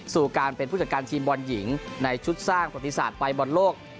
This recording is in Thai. สู่การเป็นผู้จัดการทีมบอลหญิงในชุดสร้างประติศาสตร์ไปบอลโลก